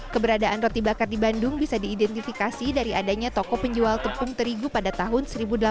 keberadaan roti bakar di bandung bisa diidentifikasi dari adanya toko penjual tepung terigu pada tahun seribu delapan ratus delapan puluh